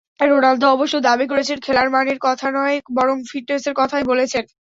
Ronaldo অবশ্য দাবি করেছেন, খেলার মানের কথা নয়, বরং ফিটনেসের কথাই বলেছেন।